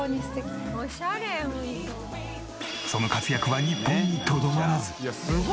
その活躍は日本にとどまらず。